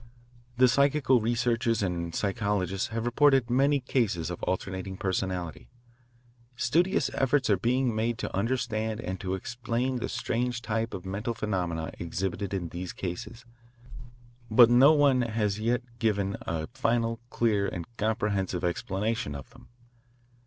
The psychical researchers and psychologists have reported many cases of alternating personality. Studious efforts are being made to understand and to explain the strange type of mental phenomena exhibited in these cases, but no one has as yet given a final, clear, and comprehensive explanation of them.